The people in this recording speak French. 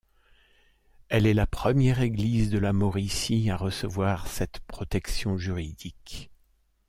Elle est la première église de la Mauricie à recevoir cette protection juridique.